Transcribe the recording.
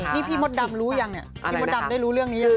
นี่พี่มดดำรู้ยังเนี่ยพี่มดดำได้รู้เรื่องนี้ยัง